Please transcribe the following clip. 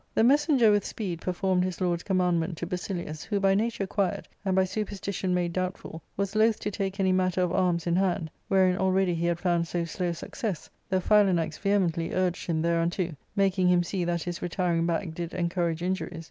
The messenger with speed performed his lord's command ment to Basilius, who by nature quiet, and by superstition made doubtful, was loath to take any matter of arms in hand, wherein already he had found so slow success, though Phi lanax vehemently urged him thereunto, making him see that his retiring back did encourage injuries.